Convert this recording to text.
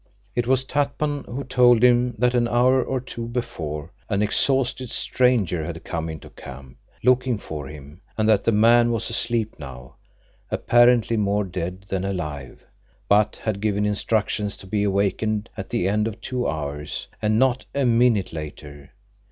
It was Tatpan who told him that an hour or two before an exhausted stranger had come into camp, looking for him, and that the man was asleep now, apparently more dead than alive, but had given instructions to be awakened at the end of two hours, and not a minute later.